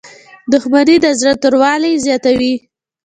• دښمني د زړه توروالی زیاتوي.